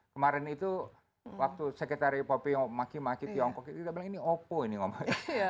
kemarin itu waktu sekretari pompeo maki maki tiongkok kita bilang ini opo ini ngomongnya